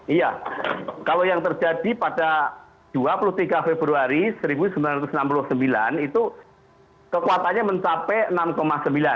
iya kalau yang terjadi pada dua puluh tiga februari seribu sembilan ratus enam puluh sembilan itu kekuatannya mencapai enam sembilan